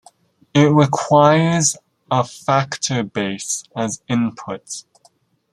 It requires a "factor base" as input.